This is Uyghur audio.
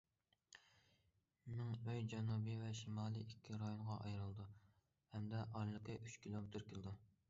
مىڭئۆي جەنۇبىي ۋە شىمالىي ئىككى رايونغا ئايرىلىدۇ ھەمدە ئارىلىقى ئۈچ كىلومېتىر كېلىدۇ.